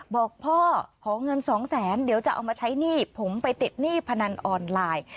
บอกพ่อขอเงินสองแสนเดี๋ยวจะเอามาใช้หนี้ผมไปติดหนี้พนันออนไลน์